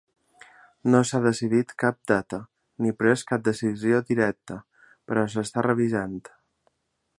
No s'ha decidit cap data ni pres cap decisió directa, però s'està revisant.